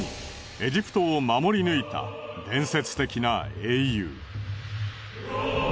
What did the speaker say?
エジプトを守り抜いた伝説的な英雄。